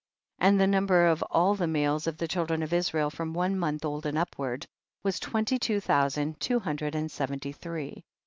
22. And the number of all the males of the children of Israel from one month • old and upward, was twenty two thousand, two hundred and seventy three.